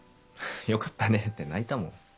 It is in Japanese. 「よかったね」って泣いたもん。